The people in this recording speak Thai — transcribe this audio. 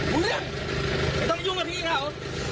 มึงเลี่ยงไม่ต้องยุ่งมาทีเขา